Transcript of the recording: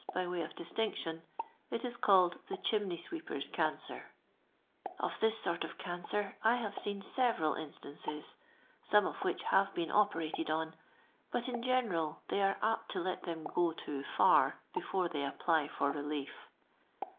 by way of distinction, it is cili'd tile • chimneyswet*per'« cancer." Uf ihiii 5ort of cancel 1 have »*eii several in»ianccf. some of which have he»>n operated on ; but, in general, tliey are ap* t'» let them jid too far before they apply f'»r r.li f.